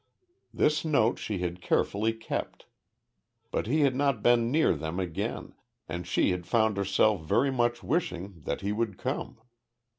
This note she had carefully kept. But he had not been near them again, and she had found herself very much wishing that he would come.